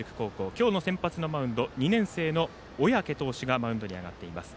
今日の先発のマウンドには２年生の小宅投手がマウンドに上がっています。